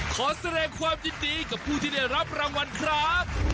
ขอแสดงความยินดีกับผู้ที่ได้รับรางวัลครับ